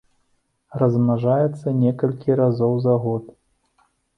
Размнажаецца некалькі разоў за год.